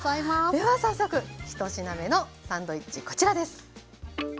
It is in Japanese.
では早速１品目のサンドイッチこちらです。